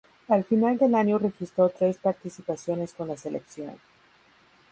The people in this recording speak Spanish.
Al final del año registró tres participaciones con la selección.